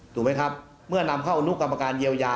ถูกไหมครับเมื่อนำเข้าอนุกรรมการเยียวยา